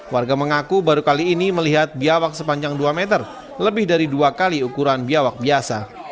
warga mengaku baru kali ini melihat biawak sepanjang dua meter lebih dari dua kali ukuran biawak biasa